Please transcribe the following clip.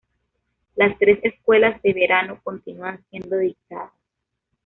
Las tres escuelas de verano continúan siendo dictadas.